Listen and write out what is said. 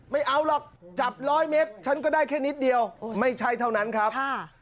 ไม่ใช่นิดเดียวไม่ใช่เท่านั้นครับ